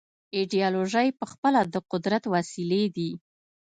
ایدیالوژۍ پخپله د قدرت وسیلې دي.